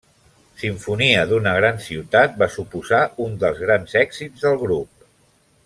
Simfonia d'una gran ciutat va suposar un dels grans èxits del grup.